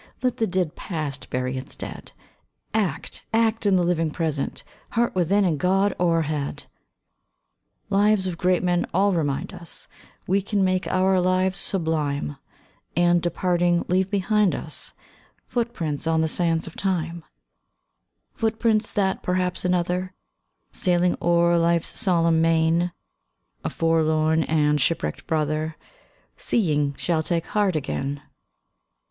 Let the dead Past bury its dead! Act, act in the living present! Heart within, and God o'erhead! Lives of great men all remind us We can make our lives sublime, And departing, leave behind us Footprints on the sands of time; Footprints, that perhaps another, Sailing o'er life's solemn main, A forlorn and shipwrecked brother, Seeing, shall take heart again.